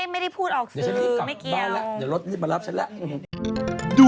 ไม่ได้พูดออกสื่อไม่เกี่ยว